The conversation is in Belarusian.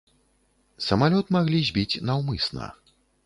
Самалёт маглі збіць наўмысна.